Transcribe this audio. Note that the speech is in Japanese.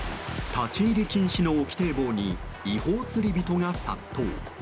立ち入り禁止の沖堤防に違法釣り人が殺到。